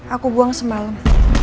aku buang semalam